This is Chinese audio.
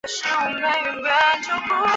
鲑鱼鲑鱼卵